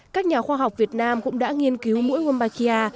các nhà khoa học việt nam cũng đã nghiên cứu mũi gumbakia